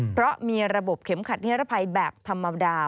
เพราะมีระบบเข็มขัดนิรภัยแบบธรรมดา